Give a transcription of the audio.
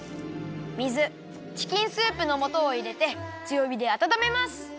水チキンスープのもとをいれてつよびであたためます。